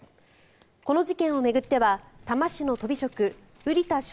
この事件を巡っては多摩市のとび職・瓜田翔